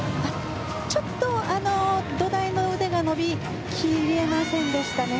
ちょっと土台の腕が伸び切れませんでしたね。